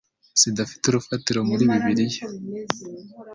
zidafite urufatiro muri Bibliya?